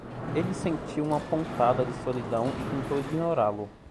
Ele sentiu uma pontada de solidão e tentou ignorá-lo.